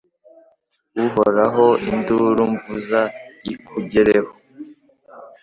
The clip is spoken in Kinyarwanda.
Uhoraho induru mvuza ikugereho